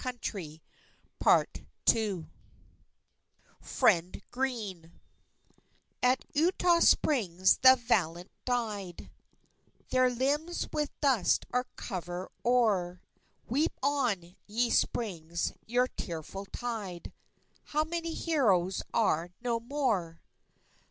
Lossing_ (Arranged) FRIEND GREENE _At Eutaw Springs the valiant died; Their limbs with dust are covered o'er. Weep on, ye springs, your tearful tide; How many heroes are no more!